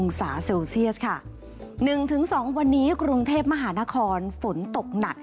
๑๑องศาเซลเซียสค่ะ๑ถึง๒วันนี้กระหลงเทพภายบาฝนตกหนัก